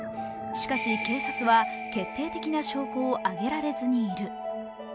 しかし、警察は決定的な証拠を上げられずにいる。